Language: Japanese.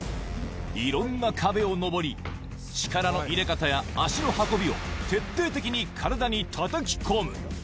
いろんな壁を登り、力の入れ方や足の運びを徹底的に体にたたき込む。